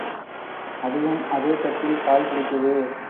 அதுவும் அதே தட்டில் பால் குடித்தது.